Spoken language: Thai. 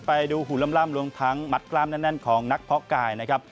ไปดูหูล่ำรวมทั้งมัดกล้ามแน่นของนักเพาะกายนะครับ